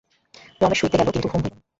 রমেশ শুইতে গেল, কিন্তু ঘুম হইল না।